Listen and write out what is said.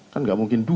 kan enggak mungkin dua